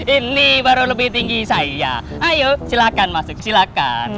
ini baru lebih tinggi saya ayo silakan masuk silahkan